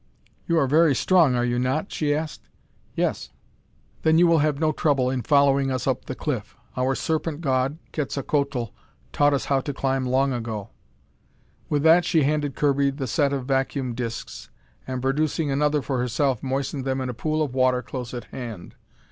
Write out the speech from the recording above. "You are very strong, are you not?" she asked. "Yes." "Then you will have no trouble in following us up the cliff. Our Serpent God, Quetzalcoatl, taught us how to climb long ago." With that she handed Kirby the set of vacuum discs, and producing another for herself, moistened them in a pool of water close at hand.